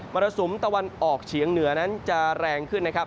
รสุมตะวันออกเฉียงเหนือนั้นจะแรงขึ้นนะครับ